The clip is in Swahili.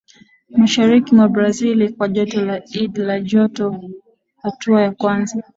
mashariki mwa Brazil kwa joto la id la joto Hatua ya kwanza